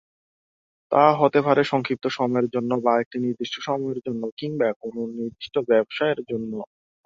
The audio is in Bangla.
তা হতে পারে সংক্ষিপ্ত সময়ের জন্য বা একটি নির্দিষ্ট সময়ের জন্য কিংবা কোন নির্দিষ্ট ব্যবসায়ের জন্য।